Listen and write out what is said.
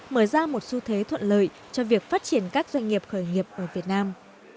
mở ra một xu thế thuận lợi cho việc phát triển các doanh nghiệp khởi nghiệp ở việt nam